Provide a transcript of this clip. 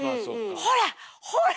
「ほら！ほら！」